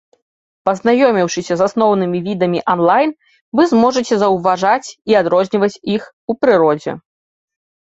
Пазнаёміўшыся з асноўнымі відамі анлайн, вы зможаце заўважаць і адрозніваць іх у прыродзе.